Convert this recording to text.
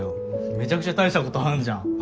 めちゃくちゃ大したことあるじゃん。